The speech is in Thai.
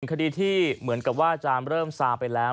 คดีที่เหมือนกับว่าอาจารย์เริ่มซาไปแล้ว